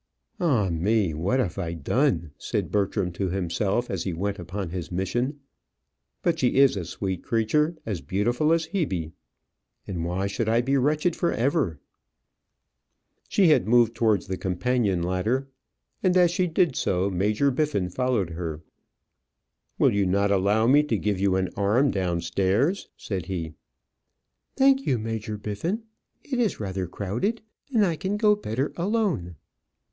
"Ah, me! what have I done!" said Bertram to himself, as he went upon his mission. "But she is a sweet creature; as beautiful as Hebe; and why should I be wretched for ever?" She had moved towards the companion ladder, and as she did so, Major Biffin followed her. "Will you not allow me to give you an arm down stairs?" said he. "Thank you, Major Biffin. It is rather crowded, and I can go better alone."